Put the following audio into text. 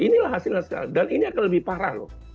inilah hasilnya sekarang dan ini akan lebih parah loh